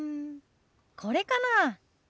これかな。